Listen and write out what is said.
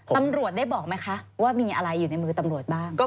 ตำรวจได้บอกไหมคะว่ามีอะไรอยู่ในมือตำรวจบ้าง